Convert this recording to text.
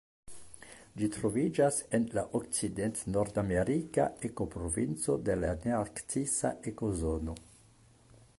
Ĝi troviĝas en la okcident-nordamerika ekoprovinco de la nearktisa ekozono.